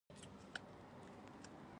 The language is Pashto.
د فارسي غالیو کیفیت ډیر لوړ دی.